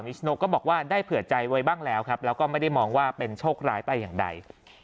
ชโนก็บอกว่าได้เผื่อใจไว้บ้างแล้วครับแล้วก็ไม่ได้มองว่าเป็นโชคร้ายไปอย่างใด